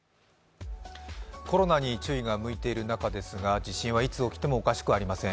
コロナに注意が向いている中ですが、地震はいつ起きてもおかしくありません。